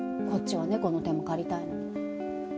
こっちは猫の手も借りたいのに。